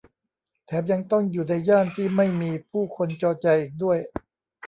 แถมยังต้องอยู่ในย่านที่ไม่มีผู้คนจอแจอีกด้วย